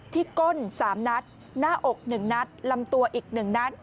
ก้น๓นัดหน้าอก๑นัดลำตัวอีก๑นัด